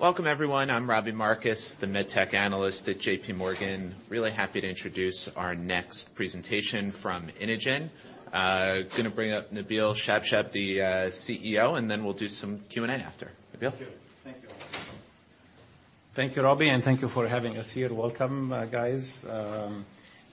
Welcome everyone. I'm Robbie Marcus, the med tech analyst at JPMorgan. Really happy to introduce our next presentation from Inogen. gonna bring up Nabil Shabshab, the CEO, and then we'll do some Q&A after. Nabil. Thank you. Thank you. Thank you, Robbie. Thank you for having us here. Welcome, guys.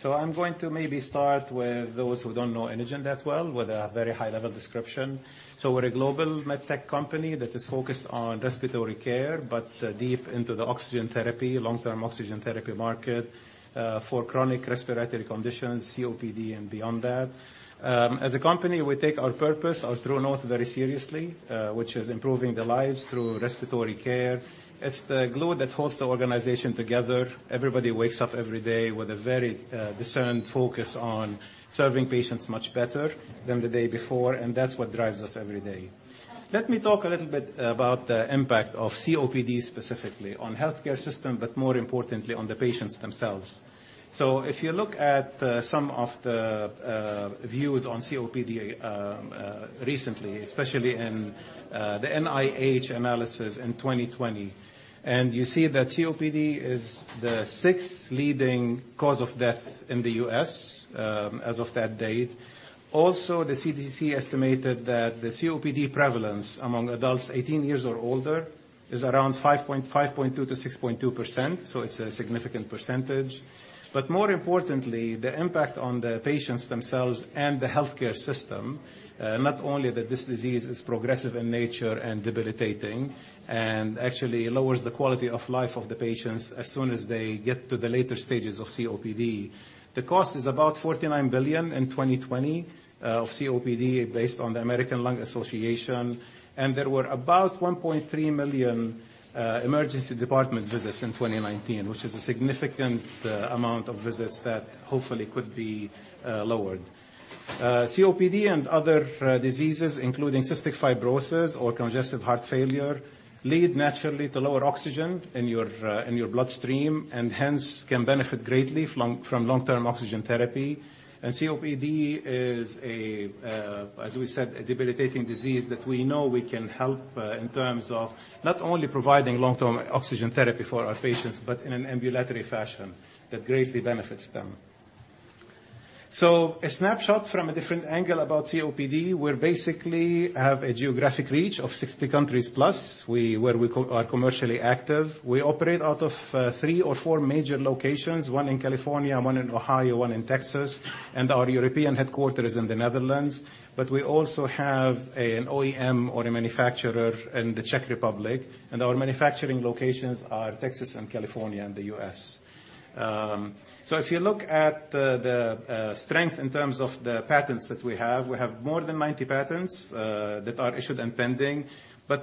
I'm going to maybe start with those who don't know Inogen that well with a very high-level description. We're a global med tech company that is focused on respiratory care, but deep into the oxygen therapy, long-term oxygen therapy market for chronic respiratory conditions, COPD and beyond that. As a company, we take our purpose, our true north very seriously, which is improving the lives through respiratory care. It's the glue that holds the organization together. Everybody wakes up every day with a very discerned focus on serving patients much better than the day before, that's what drives us every day. Let me talk a little bit about the impact of COPD, specifically on healthcare system, more importantly on the patients themselves. If you look at some of the views on COPD recently, especially in the NIH analysis in 2020, and you see that COPD is the sixth leading cause of death in the U.S. as of that date. Also, the CDC estimated that the COPD prevalence among adults 18 years or older is around 5.2%-6.2%. It's a significant percentage. More importantly, the impact on the patients themselves and the healthcare system, not only that this disease is progressive in nature and debilitating and actually lowers the quality of life of the patients as soon as they get to the later stages of COPD. The cost is about $49 billion in 2020 of COPD based on the American Lung Association. There were about 1.3 million emergency department visits in 2019, which is a significant amount of visits that hopefully could be lowered. COPD and other diseases, including cystic fibrosis or congestive heart failure, lead naturally to lower oxygen in your bloodstream, and hence can benefit greatly from long-term oxygen therapy. COPD is a, as we said, a debilitating disease that we know we can help in terms of not only providing long-term oxygen therapy for our patients, but in an ambulatory fashion that greatly benefits them. A snapshot from a different angle about COPD, we basically have a geographic reach of 60 countries plus, where we are commercially active. We operate out of three or four major locations, one in California, one in Ohio, one in Texas, and our European headquarters in the Netherlands. We also have an OEM or a manufacturer in the Czech Republic, and our manufacturing locations are Texas and California in the U.S. If you look at the strength in terms of the patents that we have, we have more than 90 patents that are issued and pending.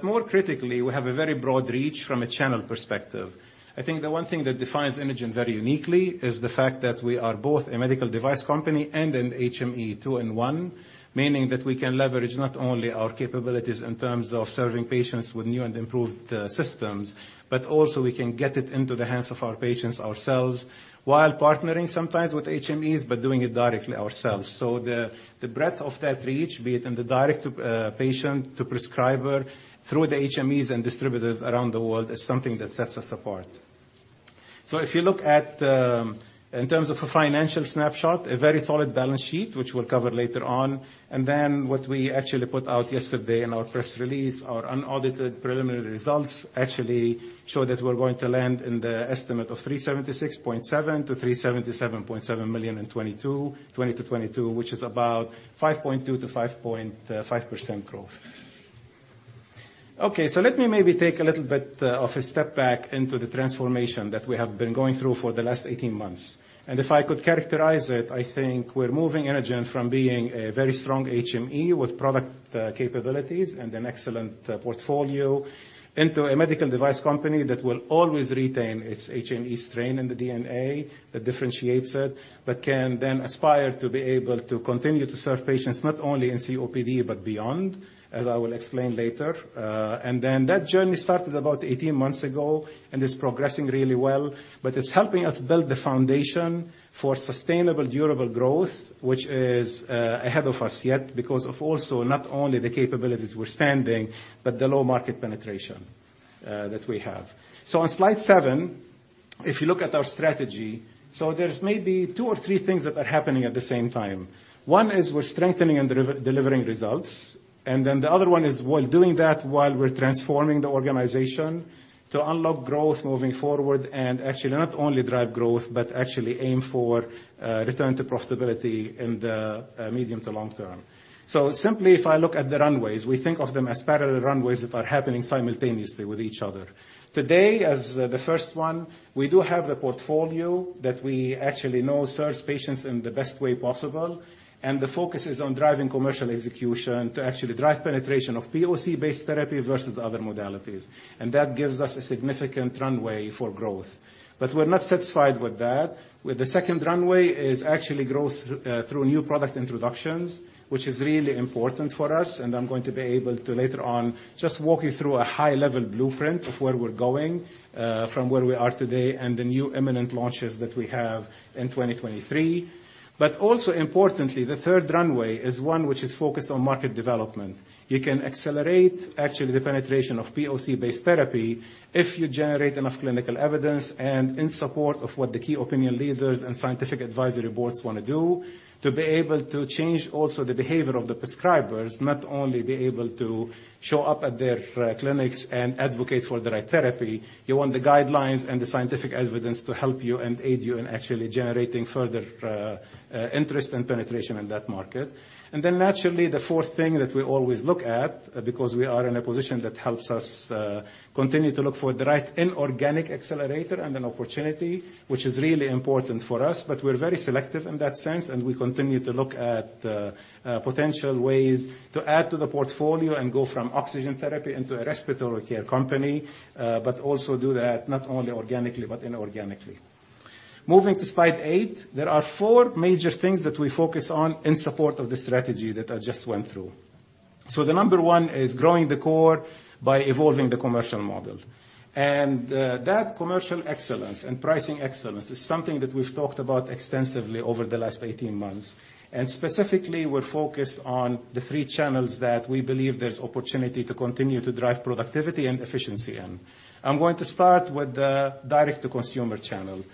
More critically, we have a very broad reach from a channel perspective. I think the one thing that defines Inogen very uniquely is the fact that we are both a medical device company and an HME two-in-one, meaning that we can leverage not only our capabilities in terms of serving patients with new and improved systems, but also we can get it into the hands of our patients ourselves while partnering sometimes with HMEs, but doing it directly ourselves. The breadth of that reach, be it in the direct patient to prescriber through the HMEs and distributors around the world, is something that sets us apart. If you look at, in terms of a financial snapshot, a very solid balance sheet, which we'll cover later on, what we actually put out yesterday in our press release, our unaudited preliminary results actually show that we're going to land in the estimate of $376.7 million-$377.7 million in 2022, which is about 5.2%-5.5% growth. Let me maybe take a little bit of a step back into the transformation that we have been going through for the last 18 months. If I could characterize it, I think we're moving Inogen from being a very strong HME with product capabilities and an excellent portfolio into a medical device company that will always retain its HME strain in the DNA that differentiates it, but can then aspire to be able to continue to serve patients not only in COPD but beyond, as I will explain later. That journey started about 18 months ago and is progressing really well, but it's helping us build the foundation for sustainable, durable growth, which is ahead of us yet because of also not only the capabilities we're standing, but the low market penetration that we have. On slide 7, if you look at our strategy, there's maybe two or three things that are happening at the same time. One is we're strengthening and delivering results. The other one is while doing that, while we're transforming the organization to unlock growth moving forward, actually not only drive growth, but actually aim for return to profitability in the medium to long term. Simply if I look at the runways, we think of them as parallel runways that are happening simultaneously with each other. Today as the first one, we do have the portfolio that we actually know serves patients in the best way possible. The focus is on driving commercial execution to actually drive penetration of POC-based therapy versus other modalities. That gives us a significant runway for growth. We're not satisfied with that. With the second runway is actually growth through new product introductions, which is really important for us, and I'm going to be able to later on just walk you through a high-level blueprint of where we're going from where we are today and the new imminent launches that we have in 2023. Also importantly, the third runway is one which is focused on market development. You can accelerate actually the penetration of POC-based therapy if you generate enough clinical evidence and in support of what the key opinion leaders and scientific advisory boards wanna do to be able to change also the behavior of the prescribers, not only be able to show up at their clinics and advocate for the right therapy. You want the guidelines and the scientific evidence to help you and aid you in actually generating further interest and penetration in that market. Naturally, the fourth thing that we always look at, because we are in a position that helps us continue to look for the right inorganic accelerator and an opportunity, which is really important for us. We're very selective in that sense, and we continue to look at potential ways to add to the portfolio and go from oxygen therapy into a respiratory care company. Also do that not only organically but inorganically. Moving to slide eight, there are four major things that we focus on in support of the strategy that I just went through. The number one is growing the core by evolving the commercial model. That commercial excellence and pricing excellence is something that we've talked about extensively over the last 18 months. Specifically, we're focused on the three channels that we believe there's opportunity to continue to drive productivity and efficiency in. I'm going to start with the direct-to-consumer channel.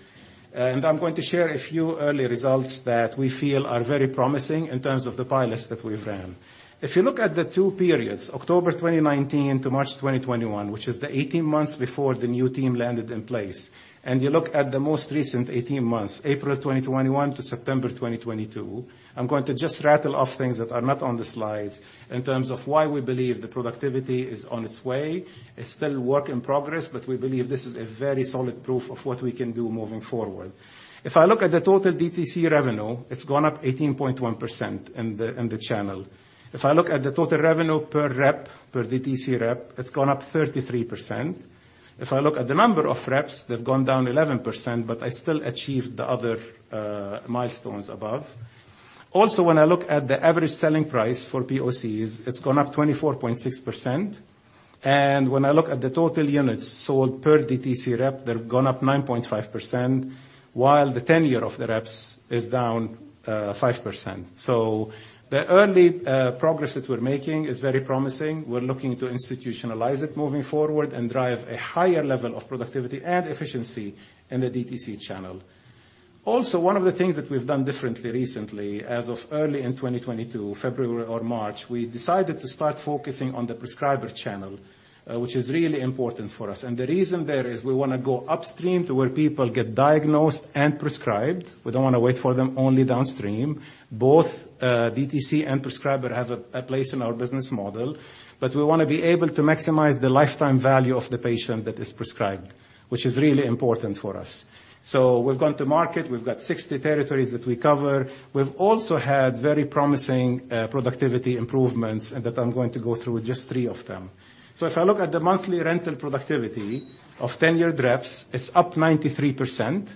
I'm going to share a few early results that we feel are very promising in terms of the pilots that we've ran. If you look at the two periods, October 2019 to March 2021, which is the 18 months before the new team landed in place, and you look at the most recent 18 months, April 2021 to September 2022, I'm going to just rattle off things that are not on the slides in terms of why we believe the productivity is on its way. It's still work in progress. We believe this is a very solid proof of what we can do moving forward. If I look at the total DTC revenue, it's gone up 18.1% in the channel. If I look at the total revenue per rep, per DTC rep, it's gone up 33%. If I look at the number of reps, they've gone down 11%, but I still achieved the other milestones above. When I look at the average selling price for POCs, it's gone up 24.6%. When I look at the total units sold per DTC rep, they've gone up 9.5%, while the tenure of the reps is down 5%. The early progress that we're making is very promising. We're looking to institutionalize it moving forward and drive a higher level of productivity and efficiency in the DTC channel. One of the things that we've done differently recently, as of early in 2022, February or March, we decided to start focusing on the prescriber channel, which is really important for us. The reason there is we wanna go upstream to where people get diagnosed and prescribed. We don't wanna wait for them only downstream. Both DTC and prescriber have a place in our business model. We wanna be able to maximize the lifetime value of the patient that is prescribed, which is really important for us. We've gone to market. We've got 60 territories that we cover. We've also had very promising productivity improvements and that I'm going to go through just three of them. If I look at the monthly rental productivity of tenured reps, it's up 93%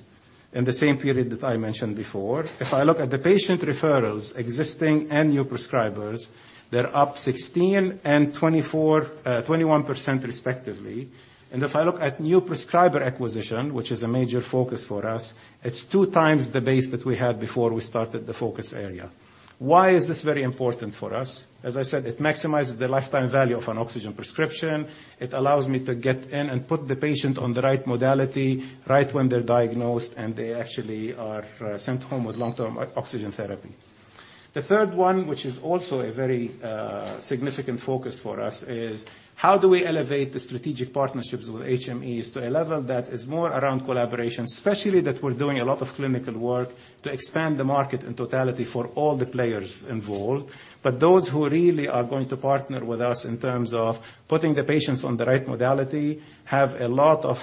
in the same period that I mentioned before. I look at the patient referrals, existing and new prescribers, they're up 16% and 24%, 21% respectively. I look at new prescriber acquisition, which is a major focus for us, it's 2 times the base that we had before we started the focus area. Why is this very important for us? As I said, it maximizes the lifetime value of an oxygen prescription. It allows me to get in and put the patient on the right modality right when they're diagnosed, and they actually are, sent home with long-term oxygen therapy. The third one, which is also a very, significant focus for us, is how do we elevate the strategic partnerships with HMEs to a level that is more around collaboration, especially that we're doing a lot of clinical work to expand the market in totality for all the players involved. Those who really are going to partner with us in terms of putting the patients on the right modality have a lot of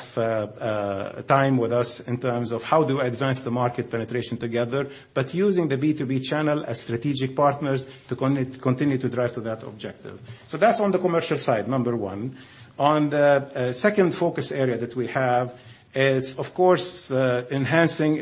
time with us in terms of how do we advance the market penetration together, but using the B2B channel as strategic partners to continue to drive to that objective. That's on the commercial side, number one. On the second focus area that we have is, of course, enhancing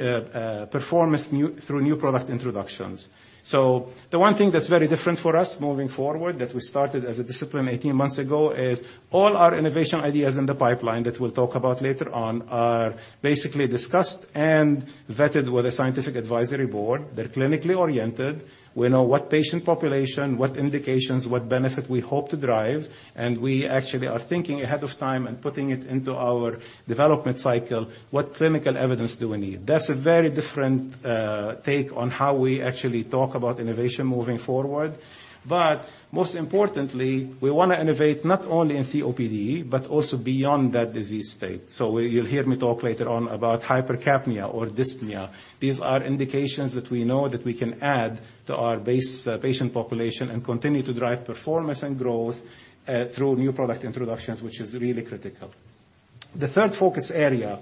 performance new, through new product introductions. The one thing that's very different for us moving forward that we started as a discipline 18 months ago is all our innovation ideas in the pipeline that we'll talk about later on are basically discussed and vetted with a scientific advisory board. They're clinically oriented. We know what patient population, what indications, what benefit we hope to drive, and we actually are thinking ahead of time and putting it into our development cycle what clinical evidence do we need. That's a very different take on how we actually talk about innovation moving forward. Most importantly, we wanna innovate not only in COPD but also beyond that disease state. You'll hear me talk later on about hypercapnia or dyspnea. These are indications that we know that we can add to our base patient population and continue to drive performance and growth through new product introductions, which is really critical. The third focus area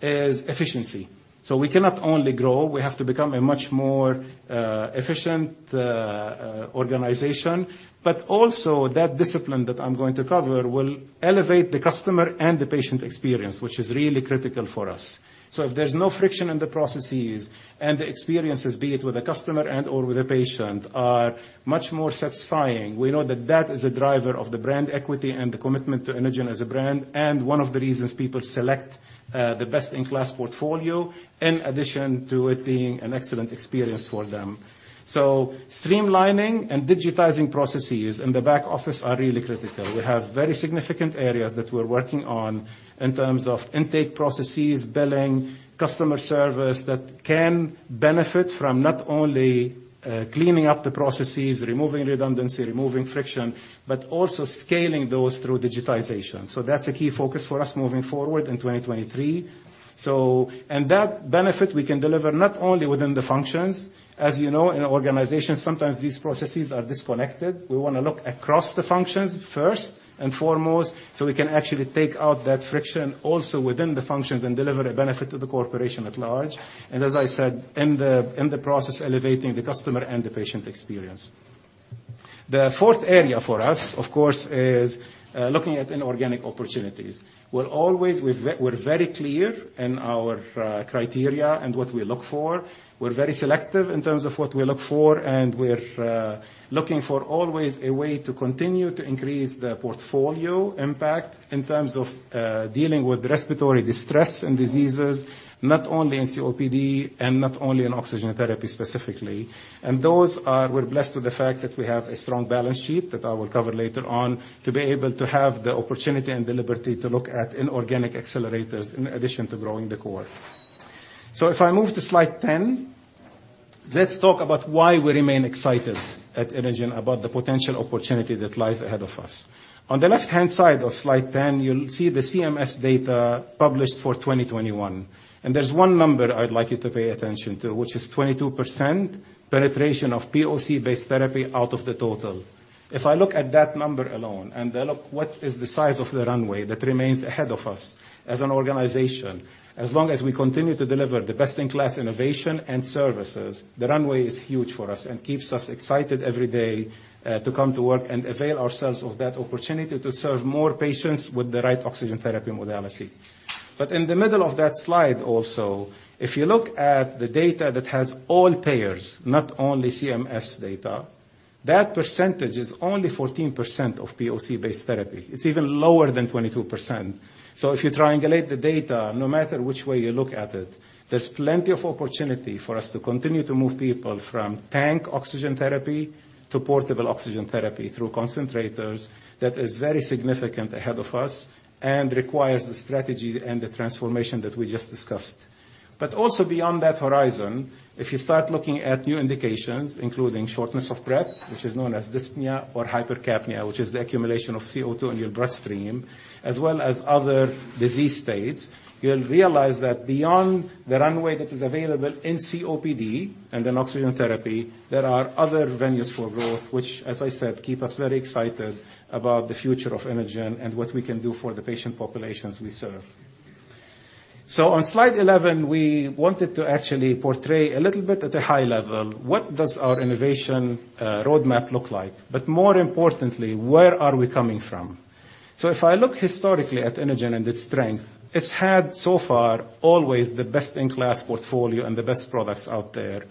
is efficiency. We cannot only grow, we have to become a much more efficient organization. Also that discipline that I'm going to cover will elevate the customer and the patient experience, which is really critical for us. If there's no friction in the processes and the experiences, be it with a customer and or with a patient, are much more satisfying, we know that that is a driver of the brand equity and the commitment to Inogen as a brand, and one of the reasons people select the best-in-class portfolio in addition to it being an excellent experience for them. Streamlining and digitizing processes in the back office are really critical. We have very significant areas that we're working on in terms of intake processes, billing, customer service, that can benefit from not only cleaning up the processes, removing redundancy, removing friction, but also scaling those through digitization. That's a key focus for us moving forward in 2023. That benefit we can deliver not only within the functions. As you know, in organizations, sometimes these processes are disconnected. We wanna look across the functions first and foremost, so we can actually take out that friction also within the functions and deliver a benefit to the corporation at large. As I said, in the, in the process, elevating the customer and the patient experience. The fourth area for us, of course, is looking at inorganic opportunities. We're always We're very clear in our criteria and what we look for. We're very selective in terms of what we look for, and we're looking for always a way to continue to increase the portfolio impact in terms of dealing with respiratory distress and diseases, not only in COPD and not only in oxygen therapy specifically. We're blessed with the fact that we have a strong balance sheet that I will cover later on, to be able to have the opportunity and the liberty to look at inorganic accelerators in addition to growing the core. If I move to slide 10, let's talk about why we remain excited at Inogen about the potential opportunity that lies ahead of us. On the left-hand side of slide 10, you'll see the CMS data published for 2021. There's one number I'd like you to pay attention to, which is 22% penetration of POC-based therapy out of the total. If I look at that number alone and then look what is the size of the runway that remains ahead of us as an organization, as long as we continue to deliver the best-in-class innovation and services, the runway is huge for us and keeps us excited every day, to come to work and avail ourselves of that opportunity to serve more patients with the right oxygen therapy modality. In the middle of that slide also, if you look at the data that has all payers, not only CMS data, that percentage is only 14% of POC-based therapy. It's even lower than 22%. If you triangulate the data, no matter which way you look at it, there's plenty of opportunity for us to continue to move people from tank oxygen therapy to portable oxygen therapy through concentrators that is very significant ahead of us and requires the strategy and the transformation that we just discussed. Also beyond that horizon, if you start looking at new indications, including shortness of breath, which is known as dyspnea or hypercapnia, which is the accumulation of CO2 in your bloodstream, as well as other disease states, you'll realize that beyond the runway that is available in COPD and in oxygen therapy, there are other venues for growth, which, as I said, keep us very excited about the future of Inogen and what we can do for the patient populations we serve. On slide 11, we wanted to actually portray a little bit at a high level, what does our innovation roadmap look like? More importantly, where are we coming from? If I look historically at Inogen and its strength, it's had so far always the best-in-class portfolio and the best products out there.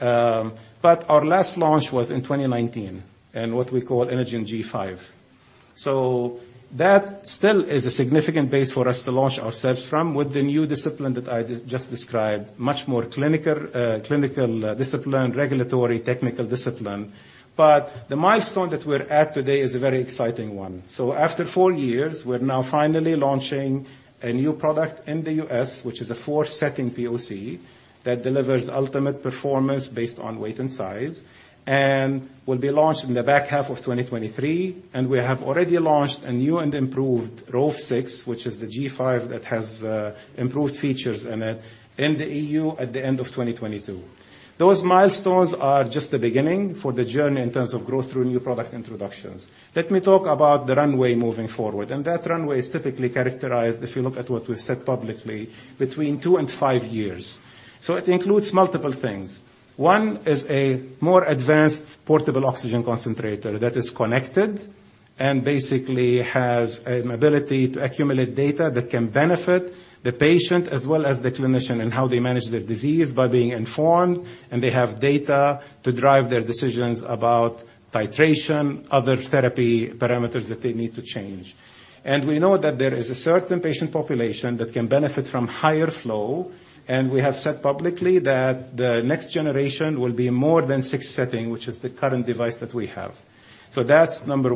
Our last launch was in 2019, in what we call Inogen G5. That still is a significant base for us to launch ourselves from with the new discipline that I just described, much more clinical discipline, regulatory, technical discipline. The milestone that we're at today is a very exciting one. After 4 years, we're now finally launching a new product in the U.S., which is a 4-setting POC that delivers ultimate performance based on weight and size, and will be launched in the back half of 2023. We have already launched a new and improved Inogen Rove 6, which is the Inogen One G5 that has improved features in it, in the EU at the end of 2022. Those milestones are just the beginning for the journey in terms of growth through new product introductions. Let me talk about the runway moving forward, and that runway is typically characterized, if you look at what we've said publicly, between 2-5 years. It includes multiple things. One is a more advanced portable oxygen concentrator that is connected and basically has an ability to accumulate data that can benefit the patient as well as the clinician in how they manage their disease by being informed, and they have data to drive their decisions about titration, other therapy parameters that they need to change. We know that there is a certain patient population that can benefit from higher flow, and we have said publicly that the next generation will be more than 6 settings, which is the current device that we have. That's number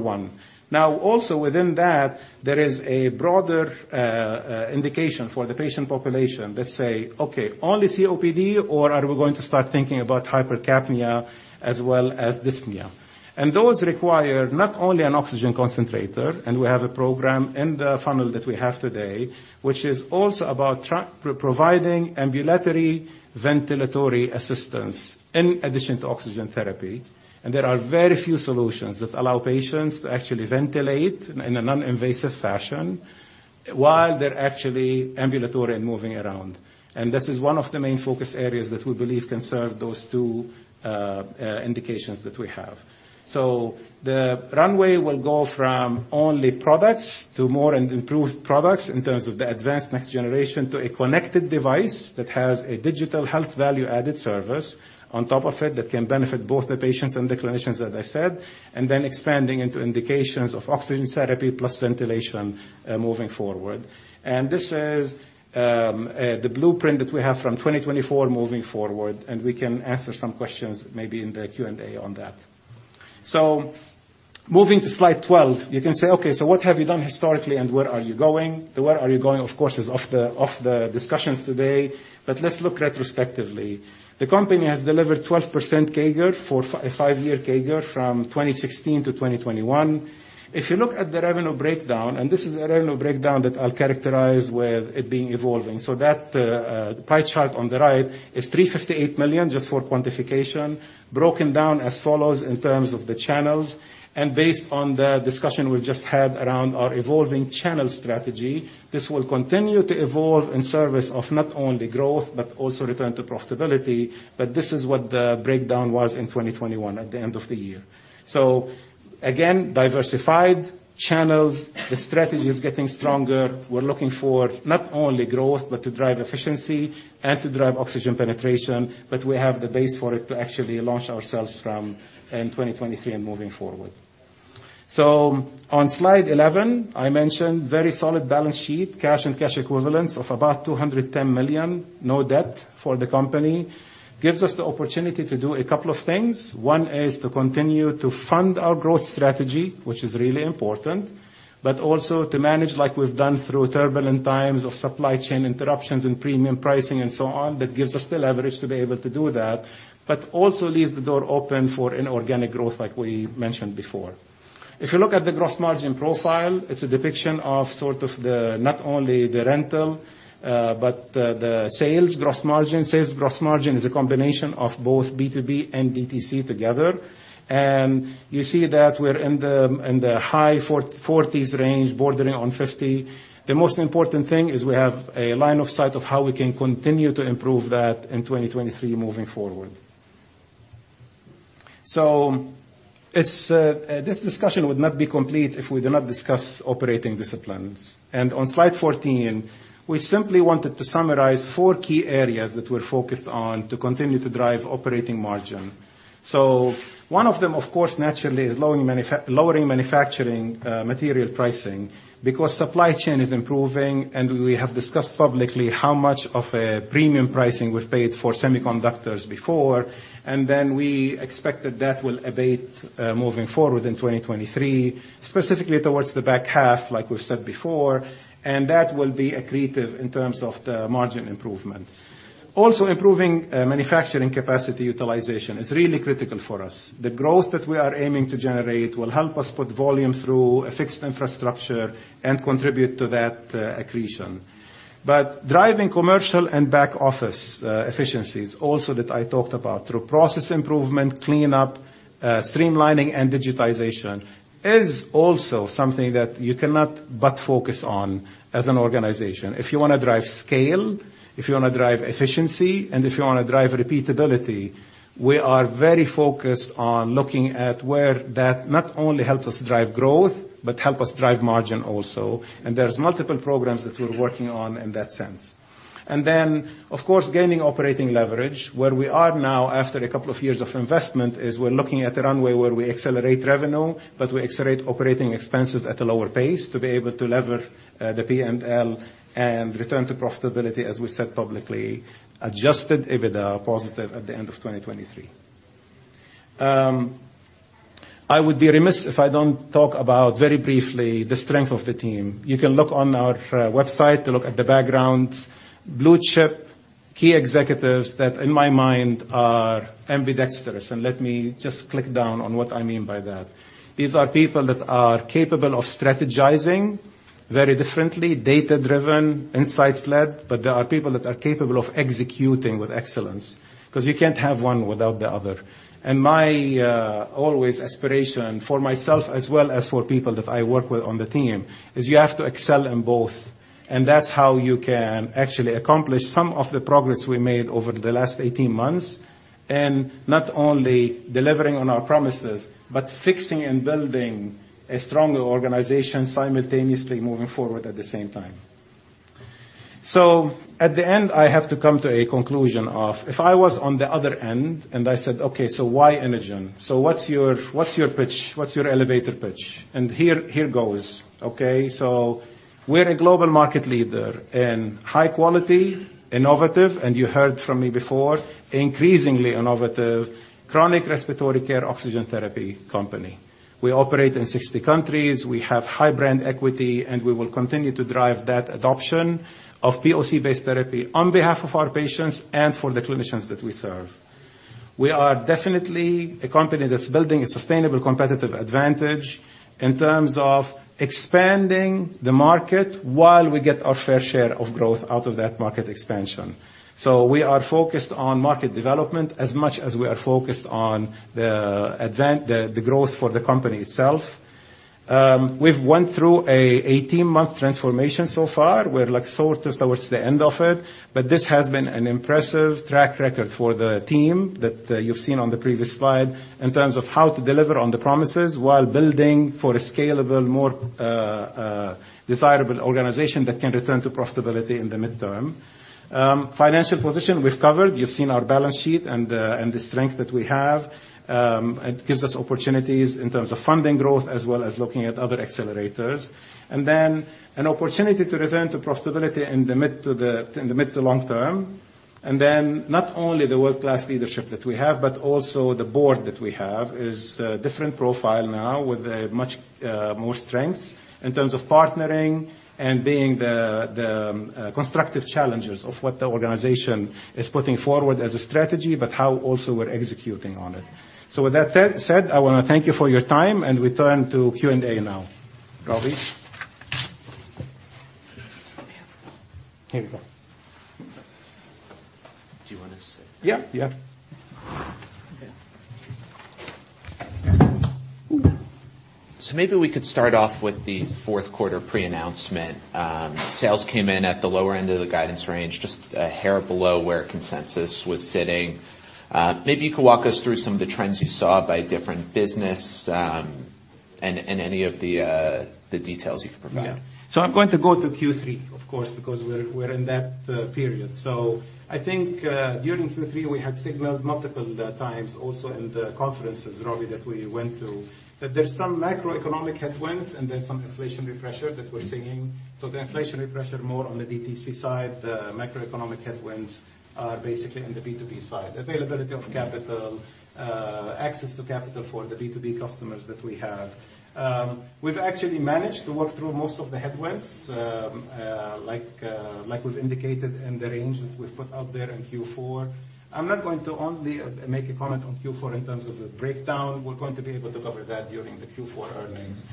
1. Also within that, there is a broader indication for the patient population. Let's say, okay, only COPD or are we going to start thinking about hypercapnia as well as dyspnea? Those require not only an oxygen concentrator, and we have a program in the funnel that we have today, which is also about providing ambulatory ventilatory assistance in addition to oxygen therapy. There are very few solutions that allow patients to actually ventilate in a non-invasive fashion while they're actually ambulatory and moving around. This is one of the main focus areas that we believe can serve those two indications that we have. The runway will go from only products to more and improved products in terms of the advanced next generation to a connected device that has a digital health value-added service on top of it that can benefit both the patients and the clinicians, as I said, and then expanding into indications of oxygen therapy plus ventilation moving forward. This is the blueprint that we have from 2024 moving forward, and we can answer some questions maybe in the Q&A on that. Moving to slide 12, you can say, "Okay, what have you done historically and where are you going?" The where are you going, of course, is off the, off the discussions today. Let's look retrospectively. The company has delivered 12% CAGR for a 5-year CAGR from 2016 to 2021. If you look at the revenue breakdown, and this is a revenue breakdown that I'll characterize with it being evolving. That, the pie chart on the right is $358 million just for quantification, broken down as follows in terms of the channels. Based on the discussion we've just had around our evolving channel strategy, this will continue to evolve in service of not only growth, but also return to profitability. This is what the breakdown was in 2021 at the end of the year. Again, diversified channels. The strategy is getting stronger. We're looking for not only growth, but to drive efficiency and to drive oxygen penetration. We have the base for it to actually launch ourselves from in 2023 and moving forward. On slide 11, I mentioned very solid balance sheet, cash and cash equivalents of about $210 million, no debt for the company. Gives us the opportunity to do a couple of things. One is to continue to fund our growth strategy, which is really important, but also to manage like we've done through turbulent times of supply chain interruptions and premium pricing and so on. That gives us the leverage to be able to do that, also leaves the door open for inorganic growth like we mentioned before. If you look at the gross margin profile, it's a depiction of sort of the, not only the rental, but the sales gross margin. Sales gross margin is a combination of both B2B and DTC together. You see that we're in the, in the high 40s range bordering on 50. The most important thing is we have a line of sight of how we can continue to improve that in 2023 moving forward. It's. This discussion would not be complete if we do not discuss operating disciplines. On slide 14, we simply wanted to summarize four key areas that we're focused on to continue to drive operating margin. One of them, of course, naturally is lowering manufacturing material pricing because supply chain is improving and we have discussed publicly how much of a premium pricing we've paid for semiconductors before. We expect that that will abate moving forward in 2023, specifically towards the back half, like we've said before, and that will be accretive in terms of the margin improvement. Also improving manufacturing capacity utilization is really critical for us. The growth that we are aiming to generate will help us put volume through a fixed infrastructure and contribute to that accretion. Driving commercial and back office efficiencies also that I talked about through process improvement, cleanup, streamlining, and digitization is also something that you cannot but focus on as an organization. If you wanna drive scale, if you wanna drive efficiency, and if you wanna drive repeatability, we are very focused on looking at where that not only helps us drive growth but help us drive margin also. There's multiple programs that we're working on in that sense. Then, of course, gaining operating leverage. Where we are now after a couple of years of investment is we're looking at the runway where we accelerate revenue, but we accelerate operating expenses at a lower pace to be able to lever the P&L and return to profitability, as we said publicly, adjusted EBITDA positive at the end of 2023. I would be remiss if I don't talk about very briefly the strength of the team. You can look on our website to look at the backgrounds. Blue-chip key executives that in my mind are ambidextrous, and let me just click down on what I mean by that. These are people that are capable of strategizing very differently, data-driven, insights-led, but they are people that are capable of executing with excellence 'cause you can't have one without the other. My always aspiration for myself as well as for people that I work with on the team is you have to excel in both, and that's how you can actually accomplish some of the progress we made over the last 18 months. Not only delivering on our promises but fixing and building a stronger organization simultaneously moving forward at the same time. At the end, I have to come to a conclusion of if I was on the other end and I said, "Okay, why Inogen? What's your, what's your pitch? What's your elevator pitch?" Here, here goes, okay. We're a global market leader in high quality, innovative, and you heard from me before, increasingly innovative chronic respiratory care oxygen therapy company. We operate in 60 countries. We have high brand equity, and we will continue to drive that adoption of POC-based therapy on behalf of our patients and for the clinicians that we serve. We are definitely a company that's building a sustainable competitive advantage in terms of expanding the market while we get our fair share of growth out of that market expansion. We are focused on market development as much as we are focused on the growth for the company itself. We've went through a 18-month transformation so far. We're like sort of towards the end of it, but this has been an impressive track record for the team that you've seen on the previous slide in terms of how to deliver on the promises while building for a scalable, more desirable organization that can return to profitability in the midterm. Financial position we've covered. You've seen our balance sheet and the strength that we have. It gives us opportunities in terms of funding growth as well as looking at other accelerators. An opportunity to return to profitability in the mid to long term. Not only the world-class leadership that we have, but also the board that we have is a different profile now with much more strengths in terms of partnering and being the constructive challengers of what the organization is putting forward as a strategy, but how also we're executing on it. With that said, I wanna thank you for your time, and we turn to Q&A now. Robbie. Here we go. Do you wanna say? Yeah. Yeah. Maybe we could start off with the Q4 pre-announcement. Sales came in at the lower end of the guidance range, just a hair below where consensus was sitting. Maybe you could walk us through some of the trends you saw by different business, and any of the details you can provide. Yeah. I'm going to go to Q3, of course, because we're in that period. I think, during Q3, we had signaled multiple times also in the conferences, Robbie, that we went to, that there's some macroeconomic headwinds and then some inflationary pressure that we're seeing. The inflationary pressure more on the DTC side, the macroeconomic headwinds are basically in the B2B side. Availability of capital, access to capital for the B2B customers that we have. We've actually managed to work through most of the headwinds, like we've indicated in the range that we put out there in Q4. I'm not going to only make a comment on Q4 in terms of the breakdown. We're going to be able to cover that during the Q4 earnings.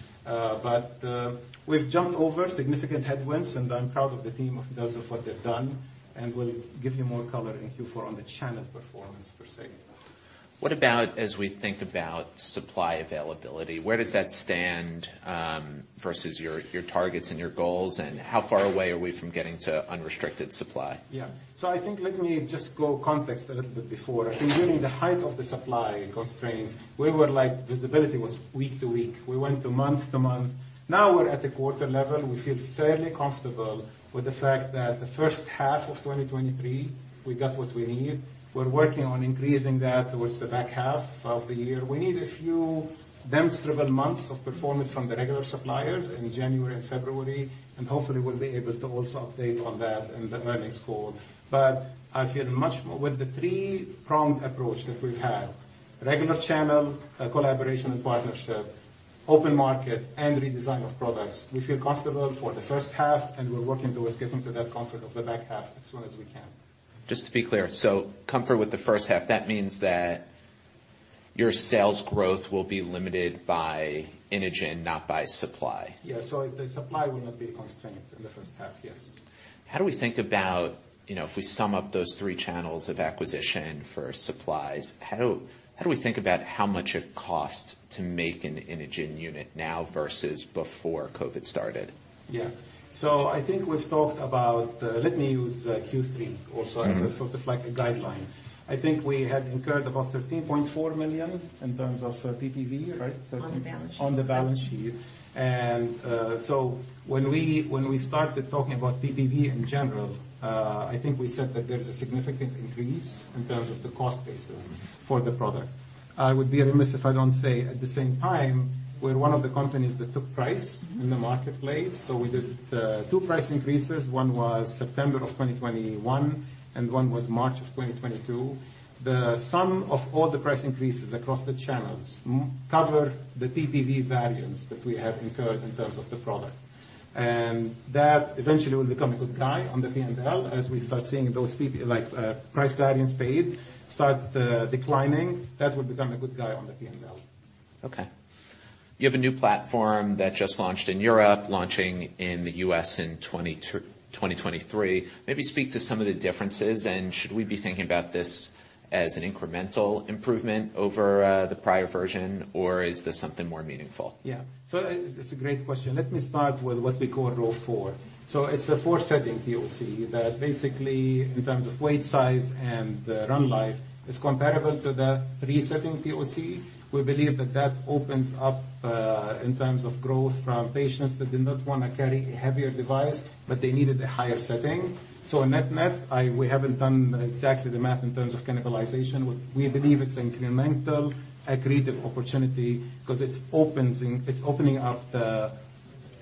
We've jumped over significant headwinds, and I'm proud of the team because of what they've done, and we'll give you more color in Q4 on the channel performance per se. What about as we think about supply availability, where does that stand, versus your targets and your goals, and how far away are we from getting to unrestricted supply? I think let me just go context a little bit before. I think during the height of the supply constraints, we were visibility was week to week. We went to month to month. Now we're at a quarter level. We feel fairly comfortable with the fact that the first half of 2023, we got what we need. We're working on increasing that towards the back half of the year. We need a few damn several months of performance from the regular suppliers in January and February, and hopefully, we'll be able to also update on that in the earnings call. I feel much more... With the three-pronged approach that we've had, regular channel, collaboration and partnership, open market, and redesign of products, we feel comfortable for the first half, and we're working towards getting to that comfort of the back half as soon as we can. Just to be clear, comfort with the first half, that means that your sales growth will be limited by Inogen, not by supply. Yeah. The supply will not be a constraint in the first half. Yes. How do we think about, you know, if we sum up those three channels of acquisition for supplies, how do we think about how much it costs to make an Inogen unit now versus before COVID started? Yeah. I think we've talked about, let me use, Q3 also- Mm-hmm. As a sort of like a guideline. I think we had incurred about $13.4 million in terms of PPV, right? On the balance sheet. On the balance sheet. When we, when we started talking about PPV in general, I think we said that there's a significant increase in terms of the cost basis for the product. I would be remiss if I don't say at the same time, we're one of the companies that took price in the marketplace. We did two price increases. One was September of 2021, and one was March of 2022. The sum of all the price increases across the channels cover the PPV variance that we have incurred in terms of the product. That eventually will become a good guy on the P&L as we start seeing those price guidance paid start declining, that will become a good guy on the P&L. Okay. You have a new platform that just launched in Europe, launching in the U.S. in 2023. Maybe speak to some of the differences, and should we be thinking about this as an incremental improvement over the prior version, or is this something more meaningful? It's a great question. Let me start with what we call Rove 4. It's a 4-setting POC that basically, in terms of weight, size, and run life, is comparable to the 3-setting POC. We believe that that opens up in terms of growth from patients that did not wanna carry a heavier device, but they needed a higher setting. Net-net, we haven't done exactly the math in terms of cannibalization. We believe it's incremental accretive opportunity 'cause it's opening up the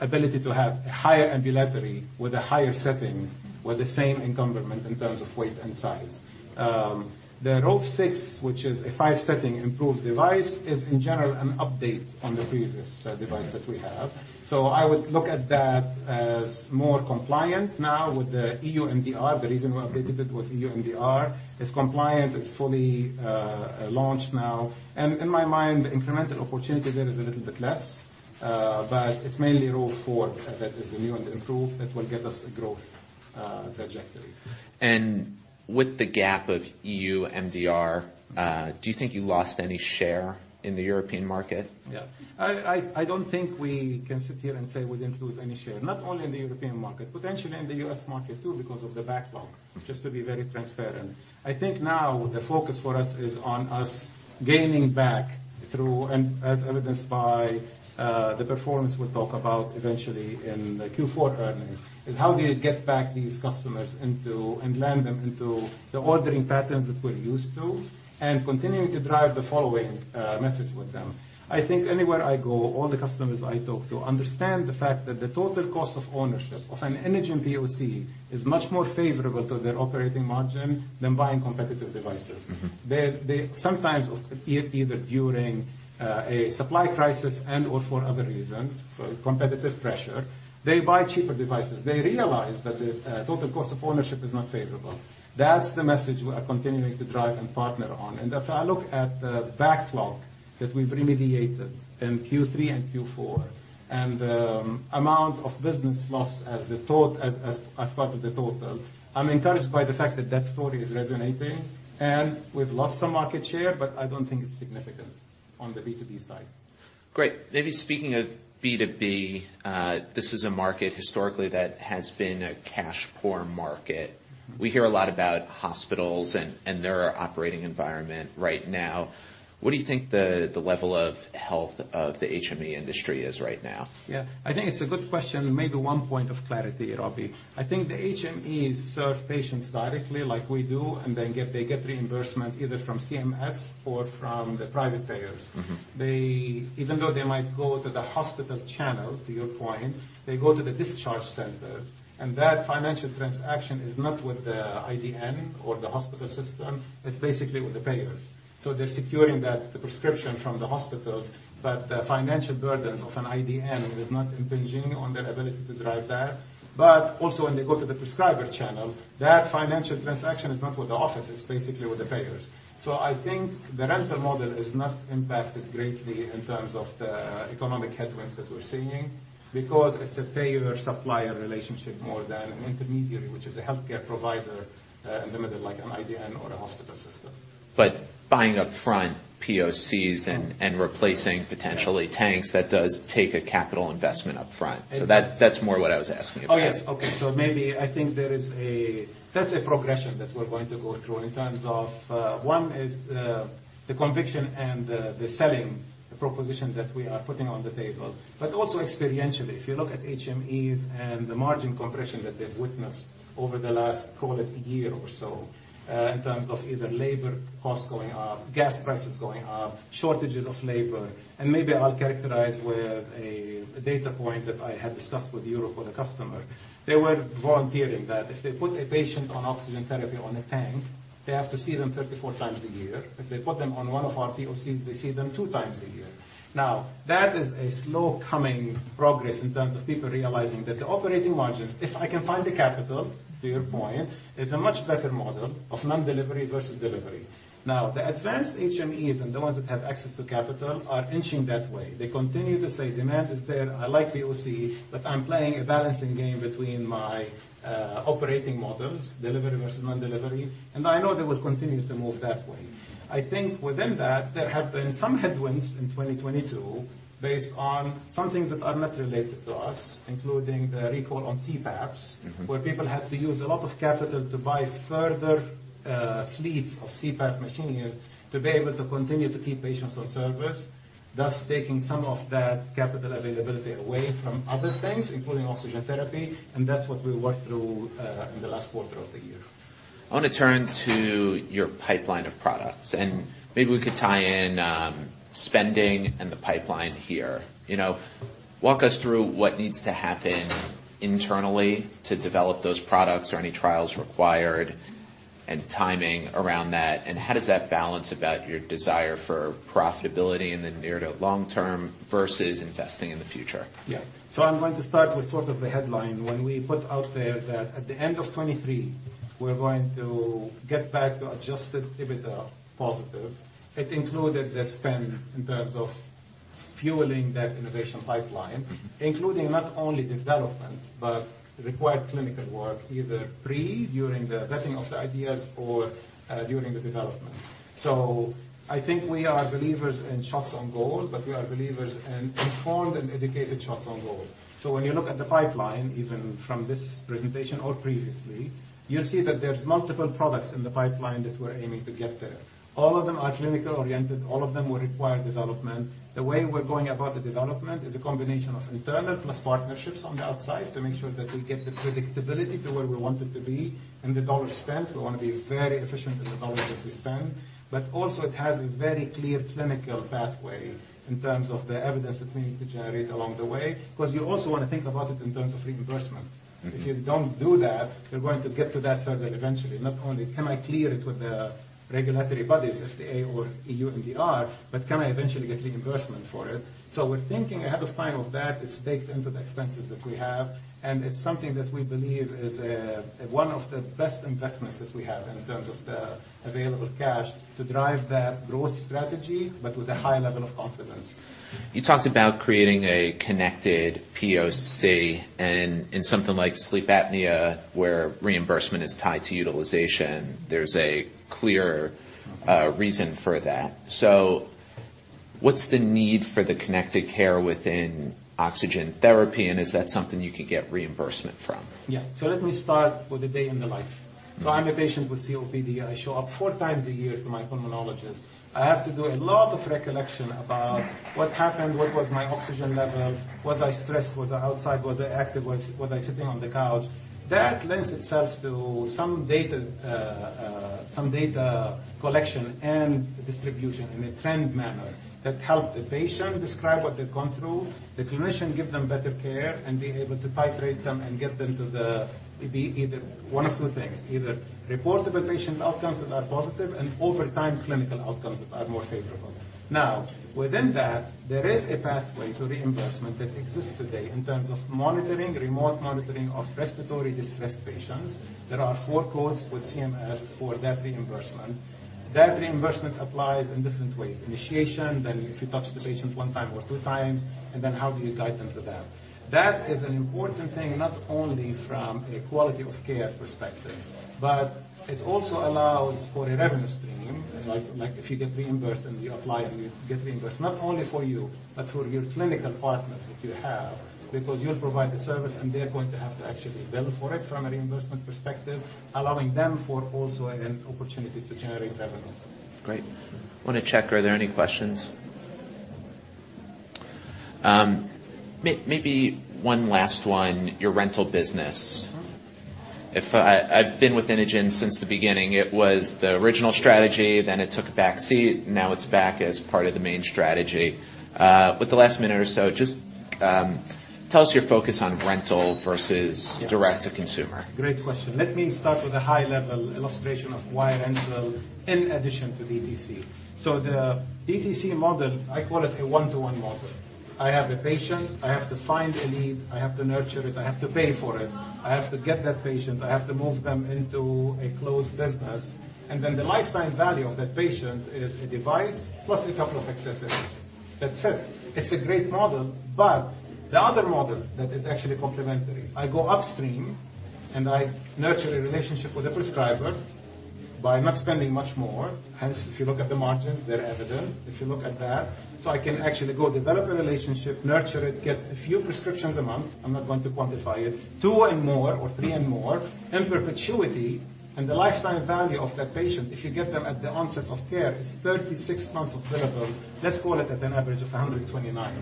ability to have higher ambulatory with a higher setting with the same encumberment in terms of weight and size. The Rove 6, which is a 5-setting improved device, is in general an update on the previous device that we have. I would look at that as more compliant now with the EU MDR. The reason we updated it was EU MDR. It's compliant. It's fully, launched now. In my mind, the incremental opportunity there is a little bit less. It's mainly Rove 4 that is the new and improved that will get us growth trajectory. With the gap of EU MDR, do you think you lost any share in the European market? I don't think we can sit here and say we didn't lose any share, not only in the European market, potentially in the U.S. market too because of the backlog, just to be very transparent. I think now the focus for us is on us gaining back through and as evidenced by the performance we'll talk about eventually in the Q4 earnings, is how do you get back these customers into and land them into the ordering patterns that we're used to, and continuing to drive the following message with them. I think anywhere I go, all the customers I talk to understand the fact that the total cost of ownership of an Inogen POC is much more favorable to their operating margin than buying competitive devices. Mm-hmm. They sometimes, either during a supply crisis and/or for other reasons, for competitive pressure, they buy cheaper devices. They realize that the total cost of ownership is not favorable. That's the message we are continuing to drive and partner on. If I look at the backlog that we've remediated in Q3 and Q4 and the amount of business lost as part of the total, I'm encouraged by the fact that that story is resonating. We've lost some market share, but I don't think it's significant on the B2B side. Great. Maybe speaking of B2B, this is a market historically that has been a cash-poor market. We hear a lot about hospitals and their operating environment right now. What do you think the level of health of the HME industry is right now? Yeah. I think it's a good question. Maybe one point of clarity, Robbie. I think the HMEs serve patients directly like we do, and then they get reimbursement either from CMS or from the private payers. Mm-hmm. Even though they might go to the hospital channel, to your point, they go to the discharge center, and that financial transaction is not with the IDN or the hospital system, it's basically with the payers. They're securing that prescription from the hospitals, but the financial burdens of an IDN is not impinging on their ability to drive that. Also when they go to the prescriber channel, that financial transaction is not with the office, it's basically with the payers. I think the rental model is not impacted greatly in terms of the economic headwinds that we're seeing, because it's a payer-supplier relationship more than an intermediary, which is a healthcare provider, limited like an IDN or a hospital system. Buying upfront POCs and replacing potentially tanks, that does take a capital investment upfront. That's more what I was asking about. Yes. Okay. Maybe I think there is a... That's a progression that we're going to go through in terms of, one is the conviction and the selling proposition that we are putting on the table. Also experientially. If you look at HMEs and the margin compression that they've witnessed over the last, call it a year or so, in terms of either labor costs going up, gas prices going up, shortages of labor. Maybe I'll characterize with a data point that I had discussed with Europe with a customer. They were volunteering that if they put a patient on oxygen therapy on a tank, they have to see them 34 times a year. If they put them on one of our POCs, they see them TWO times a year. That is a slow coming progress in terms of people realizing that the operating margins, if I can find the capital, to your point, is a much better model of non-delivery versus delivery. The advanced HMEs and the ones that have access to capital are inching that way. They continue to say, "Demand is there. I like the OC, but I'm playing a balancing game between my operating models, delivery versus non-delivery," I know they will continue to move that way. I think within that, there have been some headwinds in 2022 based on some things that are not related to us, including the recall on CPAPs. Mm-hmm,... where people had to use a lot of capital to buy further, fleets of CPAP machines to be able to continue to keep patients on service, thus taking some of that capital availability away from other things, including oxygen therapy. That's what we worked through, in the last quarter of the year. I wanna turn to your pipeline of products. Maybe we could tie in spending and the pipeline here. You know, walk us through what needs to happen internally to develop those products or any trials required and timing around that, and how does that balance about your desire for profitability in the near to long term versus investing in the future? I'm going to start with sort of the headline. When we put out there that at the end of 2023, we're going to get back to adjusted EBITDA positive, it included the spend in terms of fueling that innovation pipeline. Mm-hmm...... including not only development, but required clinical work either pre, during the vetting of the ideas, or during the development. I think we are believers in shots on goal, but we are believers in informed and educated shots on goal. When you look at the pipeline, even from this presentation or previously, you'll see that there's multiple products in the pipeline that we're aiming to get there. All of them are clinical oriented, all of them will require development. The way we're going about the development is a combination of internal plus partnerships on the outside to make sure that we get the predictability to where we want it to be and the dollar spent. We wanna be very efficient in the dollars that we spend. Also it has a very clear clinical pathway in terms of the evidence that we need to generate along the way. Because you also want to think about it in terms of reimbursement. Mm-hmm. If you don't do that, you're going to get to that further eventually. Not only can I clear it with the regulatory bodies, FDA or EU MDR, but can I eventually get reimbursement for it? We're thinking ahead of time of that. It's baked into the expenses that we have, it's something that we believe is one of the best investments that we have in terms of the available cash to drive that growth strategy, but with a high level of confidence. You talked about creating a connected POC and in something like sleep apnea, where reimbursement is tied to utilization, there's a clear reason for that. What's the need for the connected care within oxygen therapy, and is that something you could get reimbursement from? Let me start with a day in the life. I'm a patient with COPD. I show up four times a year to my pulmonologist. I have to do a lot of recollection about what happened, what was my oxygen level, was I stressed, was I outside, was I active, was I sitting on the couch? That lends itself to some data, some data collection and distribution in a trend manner that help the patient describe what they've gone through, the clinician give them better care and be able to titrate them and get them to be either one of two things. Either reportable patient outcomes that are positive and over time, clinical outcomes that are more favorable. Within that, there is a pathway to reimbursement that exists today in terms of monitoring, remote monitoring of respiratory distressed patients. There are four codes with CMS for that reimbursement. That reimbursement applies in different ways. Initiation, then if you touch the patient one time or two times, and then how do you guide them to that? That is an important thing, not only from a quality of care perspective, but it also allows for a revenue stream. Like if you get reimbursed, and you apply, and you get reimbursed, not only for you but for your clinical partners if you have, because you'll provide the service, and they're going to have to actually bill for it from a reimbursement perspective, allowing them for also an opportunity to generate revenue. Great. Wanna check, are there any questions? maybe one last one, your rental business. Mm-hmm. If, I've been with Inogen since the beginning. It was the original strategy, then it took a back seat, now it's back as part of the main strategy. With the last minute or so, just tell us your focus on rental versus- Yes. Direct to consumer. Great question. Let me start with a high-level illustration of why rental in addition to DTC. The DTC model, I call it a one-to-one model. I have a patient. I have to find a need. I have to nurture it. I have to pay for it. I have to get that patient. I have to move them into a closed business. The lifetime value of that patient is a device plus a couple of accessories. That's it. It's a great model, the other model that is actually complementary, I go upstream, and I nurture a relationship with a prescriber by not spending much more. Hence, if you look at the margins, they're evident. If you look at that. I can actually go develop a relationship, nurture it, get a few prescriptions a month. I'm not going to quantify it. Two and more or three and more in perpetuity. The lifetime value of that patient, if you get them at the onset of care, is 36 months of durable. Let's call it at an average of $129.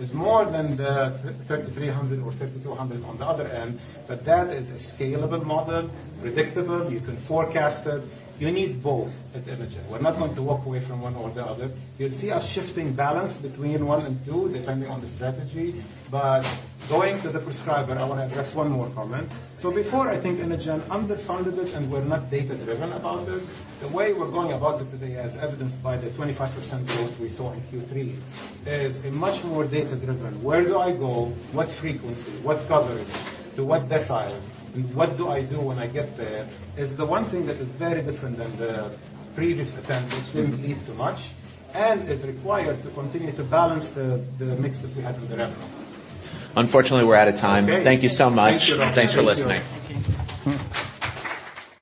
It's more than the $3,300 or $3,200 on the other end. That is a scalable model, predictable, you can forecast it. You need both at Inogen. We're not going to walk away from one or the other. You'll see us shifting balance between one and two, depending on the strategy. Going to the prescriber, I want to address one more comment. Before I think Inogen underfunded it, and we're not data-driven about it. The way we're going about it today, as evidenced by the 25% growth we saw in Q3, is a much more data-driven. Where do I go? What frequency? What coverage? To what deciles? What do I do when I get there? Is the one thing that is very different than the previous attempt, which didn't lead to much and is required to continue to balance the mix that we had with the uncertain. Unfortunately, we're out of time. Okay. Thank you so much. Thank you. Thanks for listening. Thank you.